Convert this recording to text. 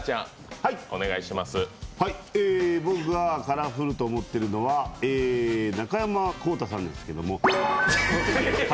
僕がカラフルと思っているのは、中山功太さんですけど。